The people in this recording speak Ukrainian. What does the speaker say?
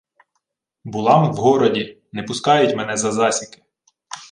— Була-м у городі. Не пускають мене за засіки.